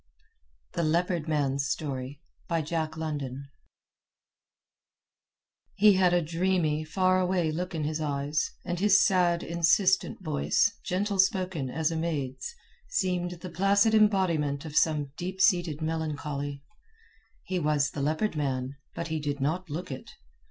THE LEOPARD MAN'S STORY He had a dreamy, far away look in his eyes, and his sad, insistent voice, gentle spoken as a maid's, seemed the placid embodiment of some deep seated melancholy. He was the Leopard Man, but he did not look it.